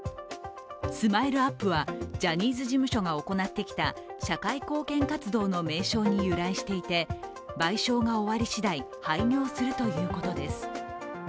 ＳＭＩＬＥ−ＵＰ．は、ジャニーズ事務所が行ってきた社会貢献活動の名称に由来していて賠償が終わり次第、廃業するということです。